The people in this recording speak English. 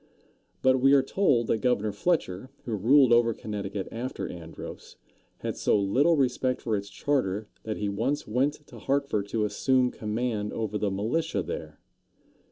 But we are told that Governor Fletcher, who ruled over Connecticut after Andros, had so little respect for its charter that he once went to Hartford to assume command over the militia there.